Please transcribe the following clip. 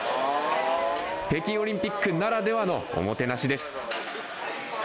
北京オリンピックならではのおもてなしです。